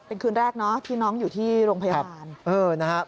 เป็นคืนแรกที่น้องอยู่ที่โรงพยาบาล